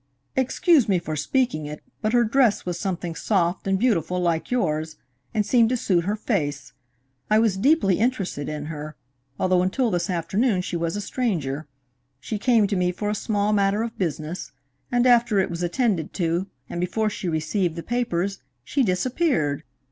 "Excuse me for speaking of it, but her dress was something soft and beautiful, like yours, and seemed to suit her face. I was deeply interested in her, although until this afternoon she was a stranger. She came to me for a small matter of business, and after it was attended to, and before she received the papers, she disappeared!